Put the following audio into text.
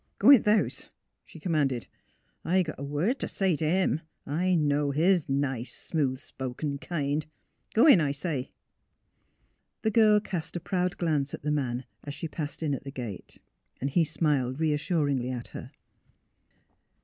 *' G' in th' house," she commanded. " I got a word t' say t' him; I know his nice, smooth spoken kind. Go in, I say! " The girl cast a proud glance at the man, as she 212 THE HEAET OF PHILUEA passed in at the gate. He smiled reassuringly at her.